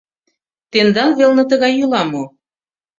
Тендан велне тыгай йӱла мо?